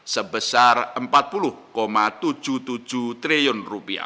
sebesar rp empat puluh tujuh puluh tujuh triliun